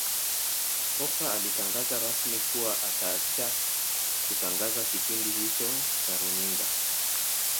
Oprah alitangaza rasmi kuwa ataacha kutangaza kipindi hicho cha Runinga